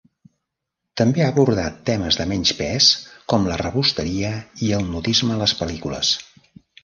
També ha abordat temes de menys pes com la rebosteria i el nudisme a les pel·lícules.